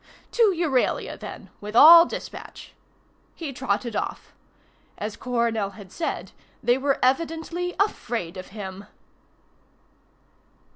To Euralia then with all dispatch. He trotted off. As Coronel had said, they were evidently afraid of him.